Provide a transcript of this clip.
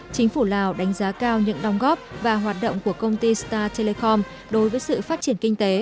chính phủ lào đánh giá cao những đồng góp và hoạt động của công ty star telecom đối với sự phát triển kinh tế